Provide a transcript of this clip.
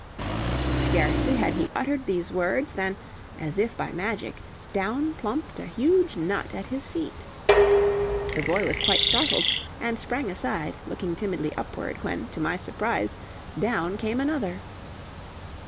Scarcely had he uttered these words, than, as if by magic, down plumped a huge nut at his feet. The boy was quite startled, and sprang aside, looking timidly upward, when, to my surprise, down came another.